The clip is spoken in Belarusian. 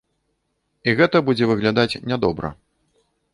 І гэта будзе выглядаць не добра.